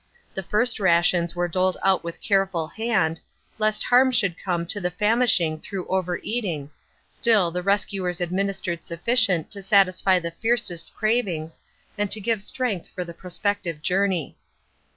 The first rations were doled out with careful hand, lest harm should come to the famishing through overeating, still, the rescuers administered sufficient to satisfy the fiercest cravings and to give strength for the prospective journey.